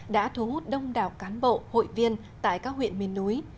đã thu hút đông đảo cán bộ hội viên tại các huyện miền núi